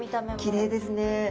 きれいですね。